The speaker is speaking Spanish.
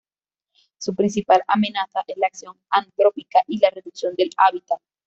Su principal amenaza es la acción antrópica y la reducción del hábitat.